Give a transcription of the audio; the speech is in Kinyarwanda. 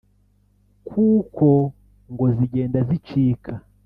kuko ngo zigenda zicika